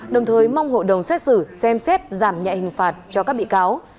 đồng thời mong hội đồng xét xử xem xét giảm nhẹ hình phạt cho các bị cáo